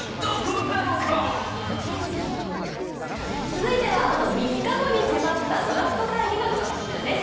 続いては、あと３日後に迫ったドラフト会議の特集です。